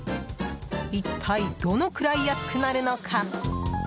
一体、どのくらい安くなるのか。